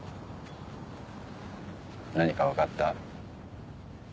何か分かった？